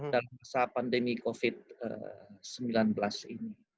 dalam masa pandemi covid sembilan belas ini